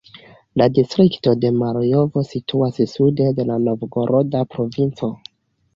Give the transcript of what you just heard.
La distrikto de Marjovo situas sude de la Novgoroda provinco.